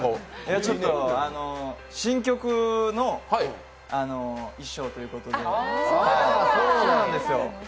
新曲の衣装ということで。